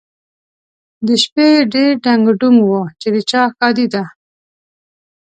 د شپې ډېر ډنګ ډونګ و چې د چا ښادي ده؟